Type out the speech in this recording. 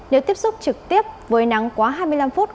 nếu tiếp xúc trực tiếp với nắng quá hai mươi năm phút